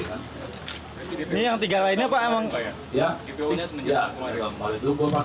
ini yang tiga lainnya pak